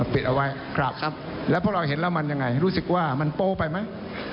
ปิดเอาไว้แล้วพวกเราเห็นแล้วมันยังไงรู้สึกว่ามันโป๊ไปไหม